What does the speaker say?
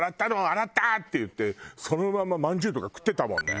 「洗った！」って言ってそのまままんじゅうとか食ってたもんね。